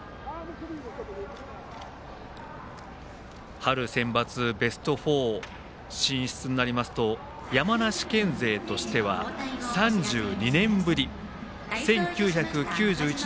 春センバツベスト４進出となりますと山梨県勢としては３２年ぶり。